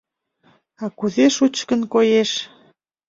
А кузе шучкын коеш.